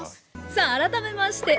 さあ改めまして